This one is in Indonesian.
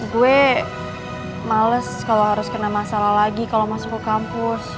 gue males kalau harus kena masalah lagi kalau masuk ke kampus